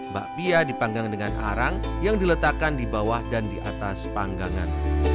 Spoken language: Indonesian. bakpia dipanggang dengan arang yang diletakkan di bawah dan di atas panggangan